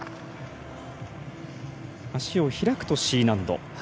足を開くとＣ難度。